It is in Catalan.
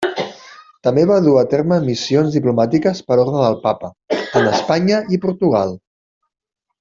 També va dur a terme missions diplomàtiques per ordre del papa, en Espanya i Portugal.